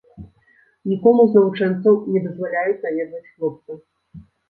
Нікому з навучэнцаў не дазваляюць наведваць хлопца.